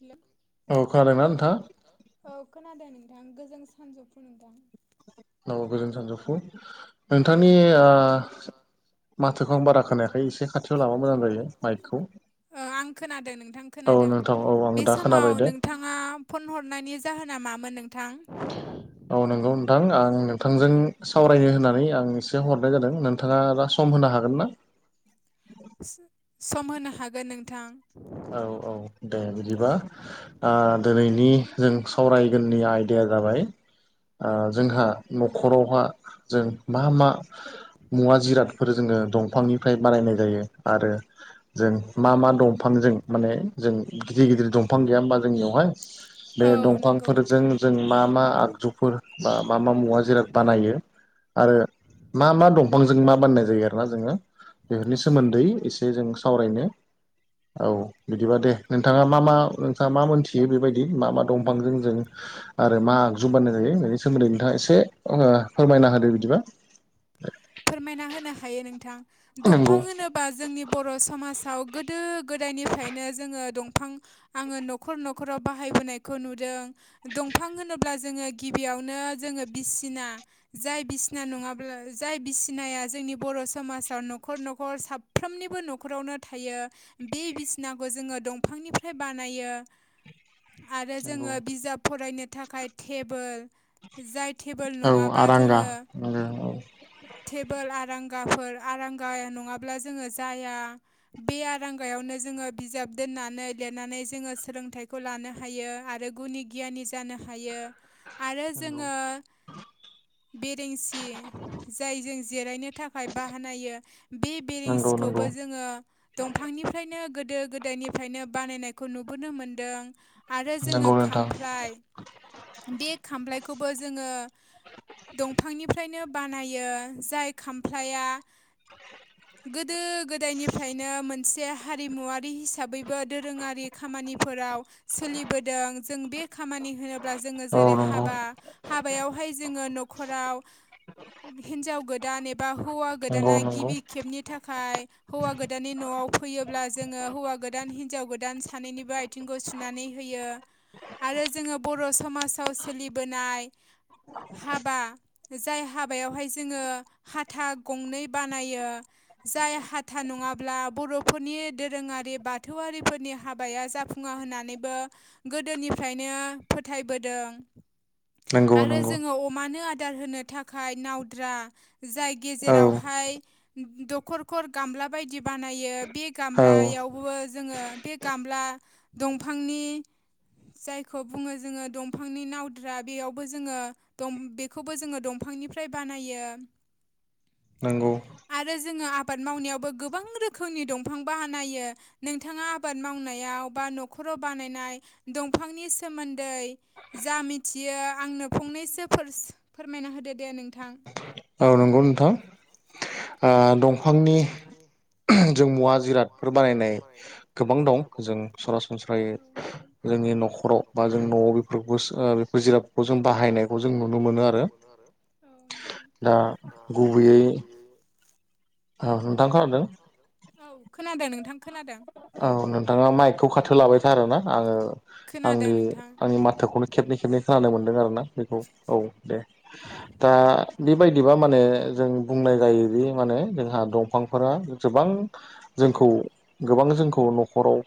हेल' औ खोनादोंना ख नोंथाङा नथां औ खोनादों नोंथां गोजों सानजौफु नोंथां औ गोजोन सानजोबफु नोंथांनि माथोखौ आं बारा खोनायाखै एसे खाथियाव लाबा मोजां जायो माइकखौ आं खोनादों नोंथां औ खोनादों नोंथां औ आं बे दा खोनाबाय समाव दे नोंथां नोंथाङा फन हरनायनि जाहोना मामोन नोंथां औ नंगौ नोंथां आं नोंथांजों सावरायनो होननानै आं एसे हरनाय जादोंों नोंथाङा दा सम होनो हागोन ना सम होनो हागोन नोंथां औ औ दे बिदिबा दिनैनि जों सावरायगोननि आयदाया जाबाय जोंहा न'खरावहा जों मा मा मुवा जिराद जों दंफांनिफ्राय बारानायनाय जायो आरो जों दंफांजों माने जों गिदिर गिदिर दंफां गैया हबा जोंनियावहाय बे औ नंगौ दंफांफोरजों नोंथां जों मा मा आगजुफोर बा मा मा मुवा जेराव बानायो आरो मा मा दंफांजों मा बाननाय जायो आरो ना जोङो बेफोरनि औ सोमोन्दै एसे जों सावरायनो औ बिदिबा दे नोंथाङा मा मा नोंथाङा मा मोनथियो बेबायदि मा मा। दंफांजों जों आरो मा? जुम बानायनाय जायो बेनि सोमोन्दै नोंथाङा एसे फोरमायना होदो बिदिबा। फोरमायना होनो हायो नोंथां नंगौ दंफां होनोब बा जोंनि बर समाजाव गोदो गोदायनिफ्रायनो जोङो दंफां आङो नखर नखराव बाहायबोनायखौ नुदों। दंफां होनोब्ला जोङो गिबियावनो जोङो बिसिना। जाय बिसिना नङाब्ला। जाय बिसिनाया जोंनि बर समाजाव नखर नखर साफ्रोमनिबो नखरावनो थायो। बे बिसिनाखौ जोङो दंफांनिफ्राय बानायो। [inaudible] आरो नंगौ जोङो बिजाब फरायनो थाखाय टेबोल जाय। टेबोल नङाबा जोङो। आरो औ टेबोल आरांगाफोर आरांगाया नङाब्ला जोङो जाया। बे आरांगायावनो जोङो बिजाब दोननानै लिरनानै जोङो सोलोंथाइखौ लानो हायो आरो गुनि गियानि जानो हायो। आरो नंगौ जोङो बेरेंसि जाय जों जिरायनो थाखाय बाहानायो बे नंगौ बिरेंसिखौबो नंगौ जोङो। दंफांनिफ्रायनो गोदो गोदायनिफ्रायनो बानायनायखौ नुबोनो मोनदों। आरो जोङो नंगौ नोंथां खामफ्लाय। बे खामलायखौबो जोङो दंफांनिफ्रायनो ब नायो जाय खामफ्लाया गोदो गोदायनिफ्रायनो मोनसे। हारिमुवारि हिसाबैबो दोरोङारि खामानिफोराव सोलिबोदों जों बे। खामानि होनोब्ला जोङो औ जेरै नंगौ हाबा हाबायावहाय जोङो नखराव हिन्जाव गोदान एबा हौवा नंगौ गोदाना नंगौ गिबि खेबनि थाखाय। हौवा गोदाननि नआव फैयोब्ला जोङो हौवा गोदान हिनजाव गोदान सानैनिबो आय थिंगु सुनानै होयो आरो जोङो बर समाजाव सोलिबोनाय। हाबा जाय हाब हाबायावहाय जोङो हाथा गंनै बानायो। जाय हाथा नङाब्ला बरफोरनि दोरोङारि बाथौआरिफोरनि हाबाया जाफुं फुङा होननानैबो गोदोनिफ्रायनो फोथायबोदों। नंगौ आरो नंगौ जोङो अमानो आदार होनो। खाय नावद्रा जाय औ गेजेरावहाय। दखरखर गामला बायदि बानायो बे औ गामलायावबो जोङो बे गामला। दंफांनि। जायखौ बुङो जोङो दंफांनि नावद्रा बेयावबो जोङो बेखौबो जोङो दंम फां निफ्राय बानायो। नोंगौ आरो जोङो आबाद मावनायावबो गोबां रोखोमनि दंफां बानायो। नोंथाङा आबाद मावनायाव बा नखराव बानायनाय दंफांनि सोमोन्दै। जा मिथियो आंनो फंनैसो फोरस फोरमायना होदो दे नोंथां। औ नंगौ नोंथां आ दंफांनि। जों मुवा जिरादफोर बानायनाय गोबां दं जों सरासनस्रायै। जोंनि नखराव बा जों नआव बेफोरखौ बेफोर जिरादफोरखौ जों बाहायनायखौ जों नुनो मोनो आरो। दा गुबैयै औ नोंथां खोनादों। औ खोनादों नोंथां खोनादों। औ नोंथाङा माइकखौ खाथो लाबायथारोना आङो आंनि खोनादों नोंथां आंनि माथोखौनो। खेबनै खेबनै खोनानो मोनदों आरोना बेखौ औ दे दा बेबाय एबा माने जों बुंनाय जायोदि माने जोंहा दंफांफोरा गोबां जोंखौ गोबां जोंखौ न'खराव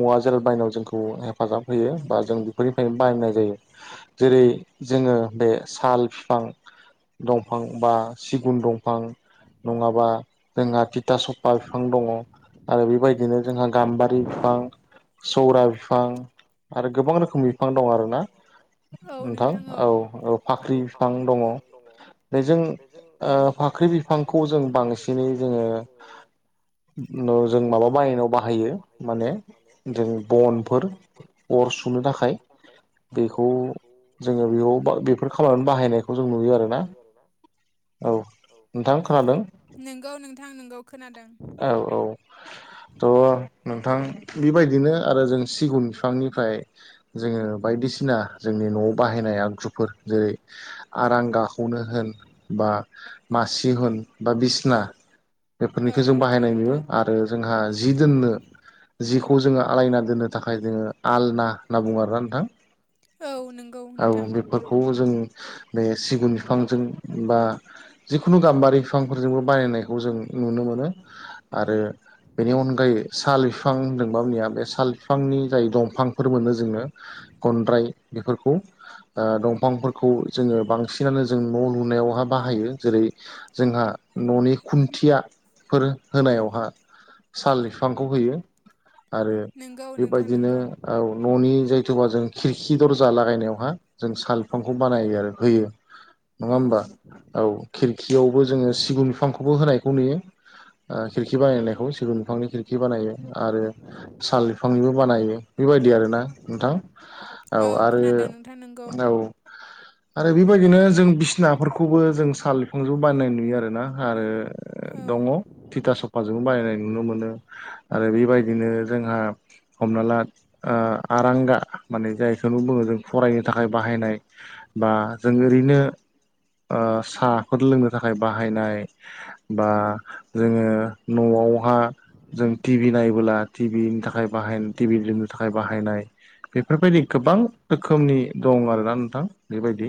मुवा जिराद बायनायाव जोंखौ हेफाजाब होयो बा जों बेफोरनिफ्रायनो बायनाय जायो जेरै जोङो बे साल बिफां दंफां बा सिगुन दंफां नङाबा जोंहा थिथा सफा बिफां दङ आरो बेबायद बिदिनो जोंहा गाम्बारि बिफां सौरा बिफां आरो गोबां रोख [unintelligible] बिफां दं आरोना औ नोंथां नोंथां औ औ फाख्रि बिफां दङ बेजों ओ फाख्रि बिफांखौ जों बांसिनै जोङो [unintelligible] जों माबा बायनायाव बाहायो माने जों बनफोर अर सुनो थाखाय थाखाय बेखौ जोङो बेयाव बेफोर खामा [unintelligible] बाहायनायखौ जों नुयो आरोना औ नोंथां खोनादों नोंगौ नोंथां नोंगौ खोनादों औ औ थ' नोंथां बेबायदिनो आरो जों सिगुन बिफांनिफ्राय जोङो बायदिसिना जोंनि न'आव बाहायनाय आगजु फोर जेरै आरांगा खौनो होन बा मासि होन बा बिसना औ बेफोरनिखौ जों नोंगौ बाहायनाय नुयो नोंथां। आरो जोंहा जि दोननो जिखौ जोङो आलायना दोननो थाखाय जोङो आलना होनना बुङो आरोना नोंथां औ नोंगौ औ नोंथां बेफोरखौ जों बे सिगुन बिफांजों बा जिखुनु गाम्बारि बिफांफोरजोंबो बानायनायखौ जों नुनो मोनो आरो बेनि अनगायै साल बिफां होनदोंबानिया बे साल बिफांनि जाय दंफांफोर मोनो जोंनो गनद्राय बेफोरखौ ओ दंफांफोरखौ जोङो बांसिनानो जों न' लुनायावहा बाहायो जेरै जोंहा न'नि खुन्थिया फोर होनायावहा साल बिफांखौ होयो आरो नोंगौ नोंथां बेबायदिनो नोंगौ औ न'नि जाय [unintelligible] बा जों खिरखि दरजा लागायनायावहा जों साल बिफांखौ बानायो आरो होयो नङा औ होमबा औ खिरखियावबो जोङो सिगुन बिफांखौबो होनायखौ नुयो ओ खिरखि बानायनायखौ सिगुन खि बानायो आरो साल बिफांनिबो बानायो बेबायदि आरो ना नोंथां औ आरो खोनादों नोंथां नोंगौ। औ आरो बेबायदिनो जों बिसिनाफोरखौबो जों साल बिफांजों बायनाय नुयो आरोना आरो औ दङ थिथा सफाजों बायनाय नुनो मोनो आरो बेबायदिनो जोंहा हमना ला ओ आरांगा माने जायखौनो बुङो जों फरायनो थाखाय बाहायनाय बा जों ओरैनो ओ साहाफोर लोंनो थाखाय बाहायनाय बा जोङो न'आव [unintelligible] जों टिभि नायबोला टिभिनि थाखाय बाहाय टिभि [unintelligible] नो थाखाय बाहायनाय बेफोरबायदि गोबां रोखोमनि दं आरोना नोंथां बेबायदि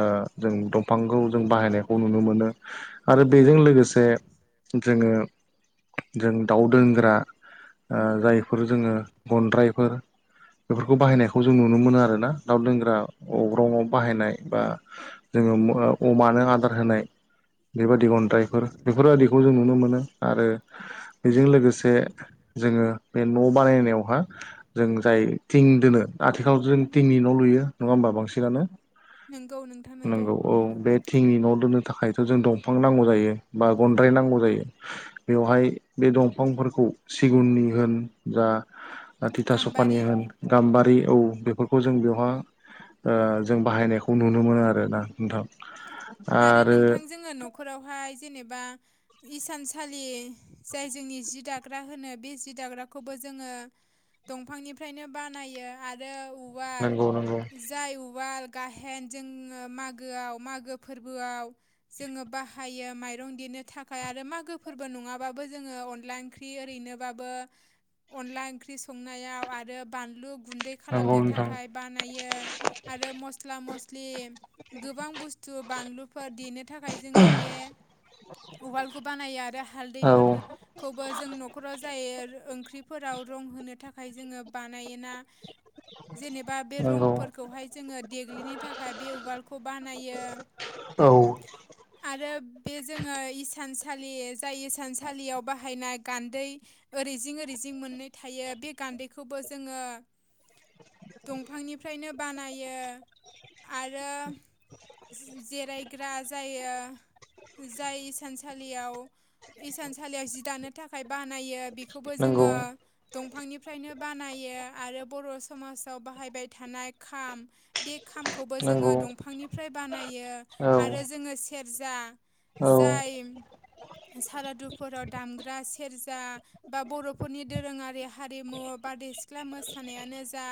ओ जों दं फांखौ जों बाहायनायखौ नुनो मोनो आरो बेजों लोगोसे जोङो जों दाउ दोनग्रा ओ जायफोर जोङो गनद्रायफोर बेफोरखौ बाहायनायखौ जों नुनो मोनो आरो ना दाउ दोनग्रा अग्रंआव बाहायनाय बा जोङो अमानो आदार होनाय बेबायदि गन्द्राइफोर बेफोरबायदिखौ जों नुनो मोनो आरो बेजों लोगोसे जोङो बे न' बानायनायावहा जों जाय थिं दोनो आथिखालाव जों थिंनि न' लुयो नङा होमबा बांसिनानो नोंगौ नोंथां नोंगौ। नंगौ औ बे थिंनि न' दोनो थाखायथ' जों दंफां नांगौ जायो बा गनद्राय नांगौ जायो बेवहाय बे दंफांफोरखौ सिगुननि होन जा थिथा सफानि गाम्बारि होन गाम्बारि औ बेफोरखौ जों बेवहा ओ जों बाहायनायखौ नुनो मोनो आरोना नोंथां आरो नोंथां जोङो न'खरावहाय जेनेबा इसानसालि जाय जोंनि जि दाग्रा होनो बे जि दाग्राखौबो जोङो दंफांनिफ्रायनो बानायो आरो उ वाल नंगौ नंगौ जाय उवाल गाहेन जोङो मागोआव मागो फोरबोआव जोङो बाहायो माइरं देनो थाखाय आरो मागो फोरबो नङाबाबो जोङो अनला ओं ख्रि ओरैनोबाबो अनला ओंख्रि संनायाव आरो बानलु गुन्दै नंगौ खालामनो नोंथां थाखाय बानायो आरो मस्ला मस्लि गोबां बुस्थु थु बानलुफोर देनो थाखाय जोङो बे उवालखौ बानायो आरो औ हालदैफोरखौबो जों न'खराव जाय [unintelligible] ओंख्रिफोराव रं होनो थाखाय जोङो बानायोना जेनेबा बे नंगौ रंफोरखौहाय जोङो देग्लिनो थाखाय बे उवालखौ बानायो औ आरो बे जोङो इसानसालि जाय इसानसालियाव बाहायनाय गान्दै ओरैजिं ओरैजिं मोननै थायो बे गान्दैखौबो जोङो दंफांनिफ्रायनो बानायो आरो जिरायग्रा जायो जाय इसानसालियाव इसानसालियाव जि दानो थाखाय बानायो बेखौबो नंगौ जोङो दंफांनिफ्रायनो बानायो आरो बर' समाजाव बाहायबाय थानाय खाम बे खामखौबो जोङो नंगौ दंफांनिफ्राय बानायो औ आरो जोङो सेरजा औ जाय सारादुफोराव दामग्रा सेरजा बा बर'फोरनि दोरोङारि हारिमु बारदै सिख्ला मोसानायानो जा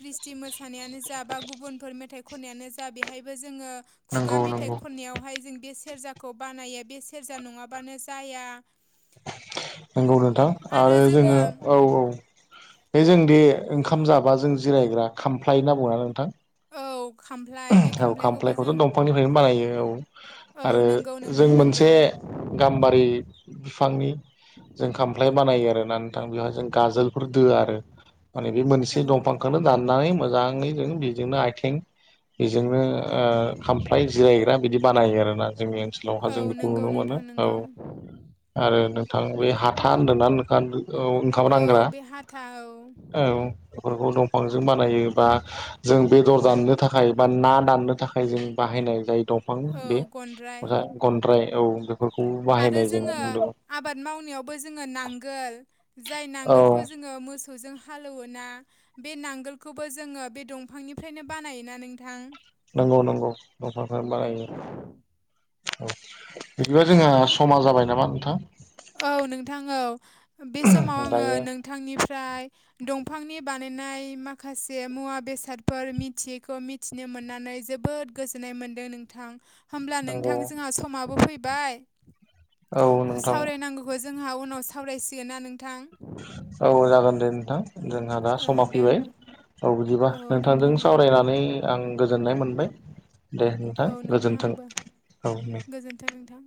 ख्रिस्टि मोसानायानो जा बा गुबुनफोर मेथाइ खननायानो जा बेहायबो जोङो खुगा नंगौ मेथाइ नंगौ खननायावहाय जों बे सेरजाखौ बानायो बे सेरजा नङाबानो जाया नंगौ नोंथां आरो जोङो औ औ बे जों दि ओंखाम जाबा जों जिरायग्रा खामफ्लाय होनना बुङो ना नोंथां औ खामफ्ला औ खामफ्लायखौथ' दंफांनिफ्रायनो बानायो औ औ आरो नोंगौ जों नोंथां नोंगौ मोनसे गाम्बारि बिफांनि जों खामफ्लाय बानायो आरोना नोंथां बेवहाय जों गाजोल फोर दोआ आरो माने बे औ मोनसे दंफांखौनो दाननानै मोजाङै जों बेजोंनो आयथें इजोंनो ओ खामफ्लाय जिरायग्रा बिदि बानायो आरोना जोंनि ओनसोलावहा औ जों बिखौ नोंगौ नुनो मोनो नोंथां औ नोंगौ आरो नोंथां बे हाथा होनदोंना [unintelligible] औ ओंखाम रानग्रा था औ औ बेफोरखौ दंफांजों बानायो बा जों बेदर दाननो था थाखाय बा ना दाननो थाखाय जों बाहायनाय जाय दंफां औ बे गनद्राय गनद्राय औ बेफोरखौ बा आरो जोङो आबाद मावनायावबो जोङो नांगोल जाय औ नांगोलखौ जोङो मोसौजों हालौवोना बे नांगोलखौबो जोङो बे दंफांनिफ्रायनो बानायोना नोंथां नंगौ नंगौ दंफांनिफ्राय नो बानायो औ बिदिबा जोंहा समा जाबाय नामा नोंथां औ नोंथां औ बे समाव आङो दायो नोंथांनिफ्राय दंफांनि बानायनाय माखासे मुवा बेसादफोर मिथियैखौ मिथ मिथिनो मोननानै जोबोद गोजोननाय मोन्दों नोंथां। होमब्ला नंगौ नोंथां जोंहा समाबो फैबाय। औ नोंथां। नांगौखौ जोंहा उनाव सावरायसिगोना नोंथां। औ जागोन दे नोंथां जोंहा दा ओ समा दे फैबाय। होमबा औ बिदिबा औ नोंथांजों नोंथां औ सावरायनानै आं गोजोननाय मोनबाय दे, औ नोंथां गोजोन्थो आंबो औ गोजोन्थों नोंथां।